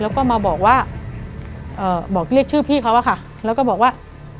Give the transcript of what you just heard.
แล้วก็มาบอกว่าเอ่อบอกเรียกชื่อพี่เขาอะค่ะแล้วก็บอกว่า